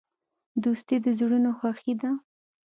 دوستي د زړونو خوښي ده.